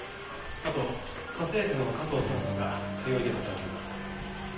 あと家政婦の加藤佐奈さんが通いで働いています。